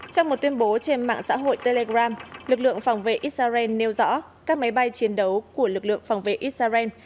trong một tuyên bố trên mạng xã hội telegram lực lượng phòng vệ israel nêu rõ các máy bay chiến đấu của lực lượng phòng vệ israel